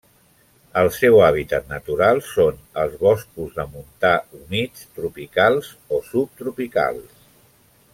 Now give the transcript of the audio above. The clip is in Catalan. El seu hàbitat natural són els boscos de montà humits tropicals o subtropicals.